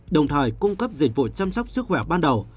đồng thời cung cấp dịch vụ chăm sóc sức khỏe ban đầu